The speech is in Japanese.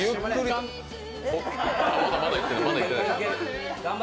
まだいってない。